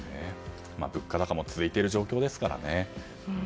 物価高も続いている状況ですからね。